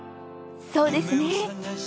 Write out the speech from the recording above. そうですね。